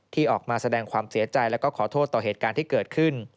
ที่ออกมาแสดงความเสียใจแล้วก็ขอโทษต่อเหตุการณ์ที่เกิดขึ้น